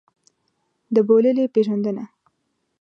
د بوللې پېژندنه.